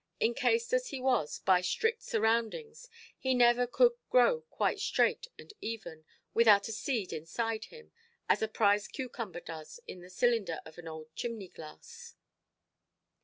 Encased as he was by strict surroundings, he never could grow quite straight and even, without a seed inside him, as a prize cucumber does in the cylinder of an old chimney–glass.